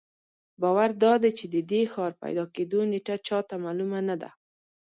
باور دادی چې د دې ښار پیدا کېدو نېټه چا ته معلومه نه ده.